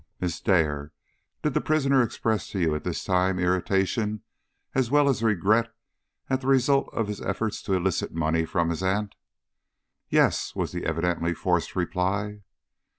"Miss Dare, did the prisoner express to you at this time irritation as well as regret at the result of his efforts to elicit money from his aunt?" "Yes," was the evidently forced reply.